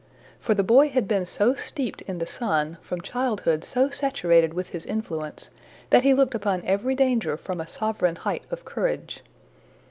For the boy had been so steeped in the sun, from childhood so saturated with his influence, that he looked upon every danger from a sovereign height of courage.